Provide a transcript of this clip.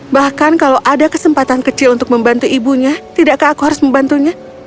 bahkan kalau ada kesempatan kecil untuk membantu ibunya tidakkah aku harus membantunya